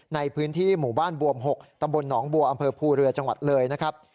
ในพื้นที่หมู่บ้านบวม๖ตำบลหนองบัวอำเภอภูเรือจังหวัดเลยนะครับ